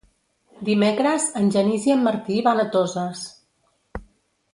Dimecres en Genís i en Martí van a Toses.